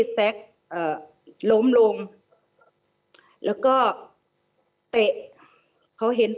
แซ็กเอ่อล้มลงแล้วก็เตะเขาเห็น